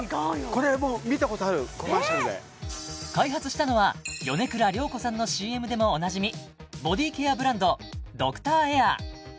これもう見たことあるコマーシャルでえー開発したのは米倉涼子さんのＣＭでもおなじみボディケアブランドドクターエア